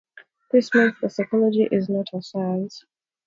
This means that psychology is not a science.